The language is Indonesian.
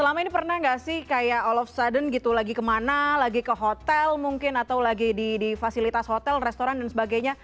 selama ini pernah nggak sih kayak all of sudden gitu lagi kemana lagi ke hotel mungkin atau lagi di fasilitas hotel restoran dan sebagainya